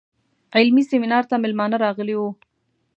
علمي سیمینار ته میلمانه راغلي وو.